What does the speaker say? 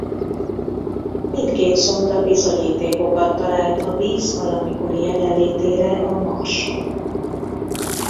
Mindkét szonda bizonyítékokat talált a víz valamikori jelenlétére a Marson.